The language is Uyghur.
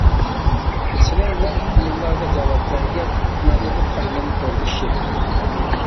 سېنىڭ بىلەن «يىللارغا جاۋاب» بەرگەچ مەغرۇر قاينام ئۆركىشى.